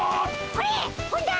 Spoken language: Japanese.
これ本田！